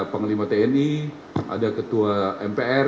panglima tni ada ketua mpr